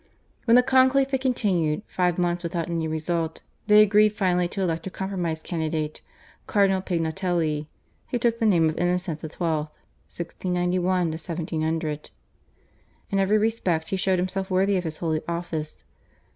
When the conclave had continued five months without any result they agreed finally to elect a compromise candidate (Cardinal Pignatelli) who took the name of Innocent XII. (1691 1700). In every respect he showed himself worthy of his holy office.